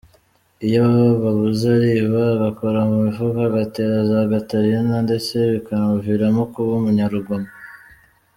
Iyo ababuze ariba, agakora mu mifuka, agatera za gatarina, ndetse bikanamuviramo kuba umunyarugomo.